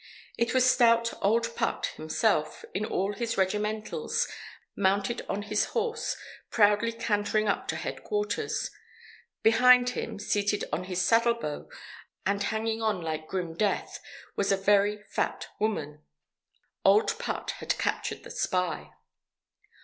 It was stout "Old Put" himself, in all his regimentals, mounted on his horse, proudly cantering up to Headquarters. Behind him, seated on his saddle bow and hanging on like grim death, was a very fat woman. "Old Put" had captured the spy.